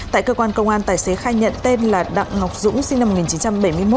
tại cơ quan công an tài xế khai nhận tên là đặng ngọc dũng sinh năm một nghìn chín trăm bảy mươi một